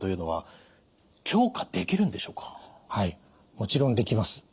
もちろんできます。